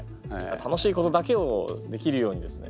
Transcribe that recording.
楽しいことだけをできるようにですね